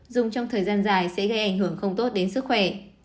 dùng trong thời gian dài sẽ gây ảnh hưởng không tốt đến sức khỏe